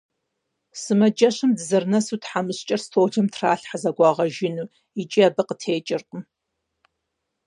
Сымаджэщым дызэрынэсу тхьэмыщкӀэр стӀолым трагъэгъуалъхьэ зэгуагъэжыну, икӀи абы къытекӀыркъым…